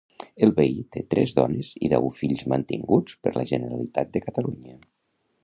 El veí té tres dones i deu fills mantinguts per la Generalitat de Catalunya